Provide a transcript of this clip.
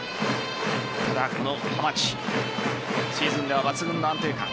ただ、この浜地シーズンでは抜群の安定感。